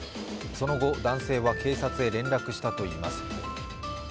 その後、男性は警察に連絡したといいます。